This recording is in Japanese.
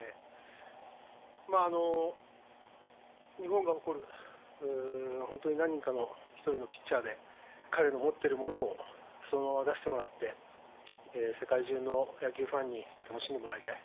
まあ、日本が誇る本当に何人かの一人のピッチャーで、彼の持ってるものをそのまま出してもらって、世界中の野球ファンに楽しんでもらいたい。